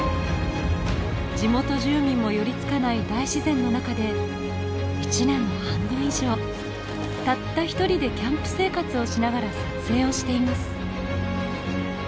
地元住民も寄りつかない大自然の中で１年の半分以上たった一人でキャンプ生活をしながら撮影をしています